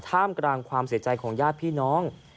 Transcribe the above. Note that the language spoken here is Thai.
ท่ามกลางความเสียใจของญาติพี่น้อง